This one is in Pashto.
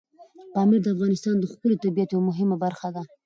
پامیر د افغانستان د ښکلي طبیعت یوه مهمه برخه ده.